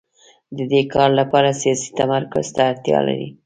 د دې کار لپاره سیاسي تمرکز ته اړتیا ده.